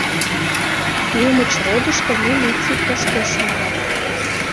Немычродышто милиций коштеш, маныт.